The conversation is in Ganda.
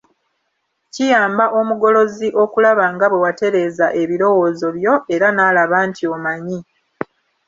Kiyamba omugolozi okulaba nga bwe watereeza ebirowoozo byo; era n'alaba nti omanyi.